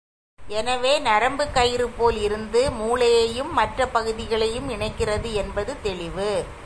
எனவே, நரம்பு கயிறு போல் இருந்து மூளையையும் மற்ற பகுதிகளையும் இணைக்கிறது என்பது தெளிவு.